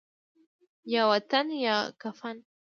یا وطن یا کفن